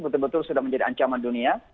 betul betul sudah menjadi ancaman dunia